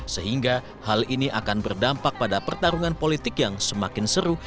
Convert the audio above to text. sehingga hal ini akan berdampak pada pertarungan politik yang semakin seru